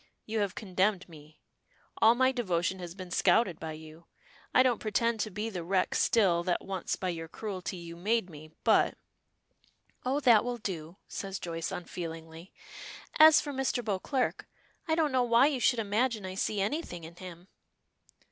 You have condemned me. All my devotion has been scouted by you. I don't pretend to be the wreck still that once by your cruelty you made me, but " "Oh, that will do," says Joyce, unfeelingly. "As for Mr. Beauclerk, I don't know why you should imagine I see anything in him."